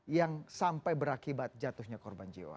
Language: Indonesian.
yang sampai berakibat jatuhnya korban jiwa